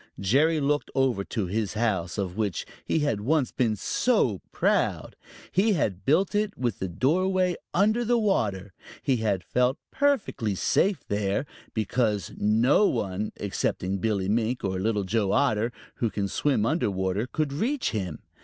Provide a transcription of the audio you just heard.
Jerry looked over to his house, of which he had once been so proud. He had built it with the doorway under water. He had felt perfectly safe there, because no one excepting Billy Mink or Little Joe Otter, who can swim under water, could reach him.